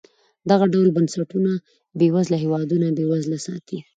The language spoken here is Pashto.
دغه ډول بنسټونه بېوزله هېوادونه بېوزله ساتي.